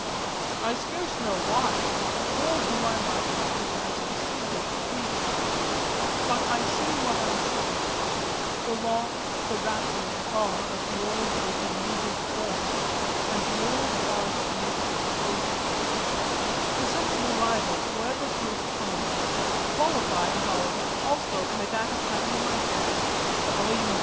I scarce know why, nor do I much, I confess, distinguish occasions but I see what I see: the long, the rattling car of the old open native form and the old harsh native exposure; the sense of arrival forever postponed, qualified however also by that of having in my hands a volume of M.